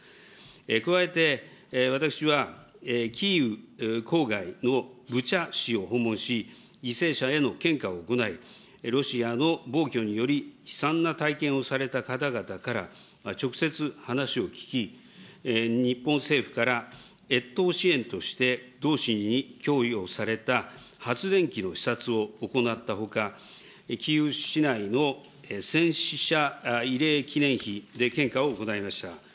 加えて、私はキーウ郊外のブチャ市を訪問し、犠牲者への献花を行い、ロシアの暴挙により悲惨な体験をされた方々から、直接話を聞き、日本政府からえっとう支援として、同市に供与をされた発電機の視察を行ったほか、キーウ市内の戦死者慰霊記念碑で献花を行いました。